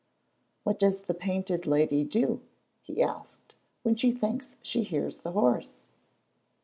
"What does the Painted Lady do," he asked, "when she thinks she hears the horse?"